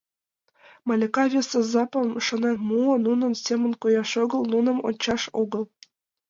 Малика вес азапым шонен муо: нунын семын кояш огыл, нуным ончаш огыл.